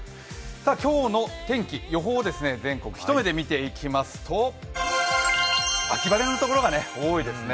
今日の予報を全国、一目で見ていきますと、秋晴れのところが多いですね。